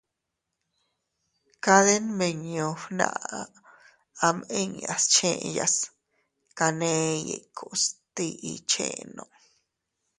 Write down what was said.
Kade nmiñu fnaʼa am inñas scheyas taney ikus tiʼi chenno.